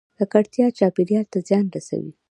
ککړتیا چاپیریال ته زیان رسوي